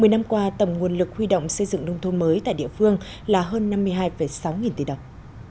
một mươi năm qua tầm nguồn lực huy động xây dựng nông thôn mới tại địa phương là hơn năm mươi hai sáu nghìn tỷ đồng